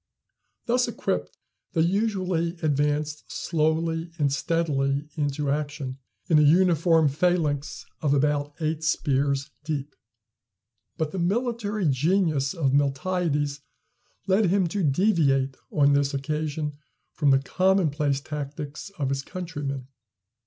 Thus equipped, they usually advanced slowly and steadily into action in a uniform phalanx of about eight spears deep. But the military genius of Miltiades led him to deviate on this occasion from the commonplace tactics of his countrymen.